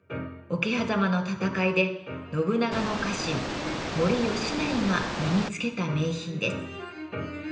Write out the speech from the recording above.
桶狭間の戦いで信長の家臣森可成が身につけた名品です。